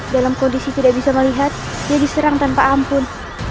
dalam kondisi tidak bisa melihat dia diserang tanpa ampun